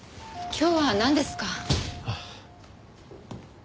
今日はなんですか？